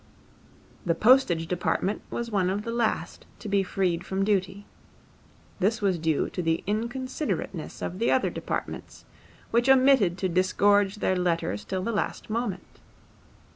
The postage department was one of the last to be freed from duty. This was due to the inconsiderateness of the other departments, which omitted to disgorge their letters till the last moment.